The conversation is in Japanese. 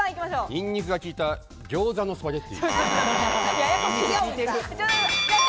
ニンニクが効いた餃子のスパゲッティ。